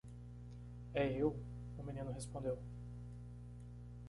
"É eu?" o menino respondeu.